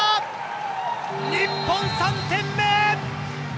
日本、３点目。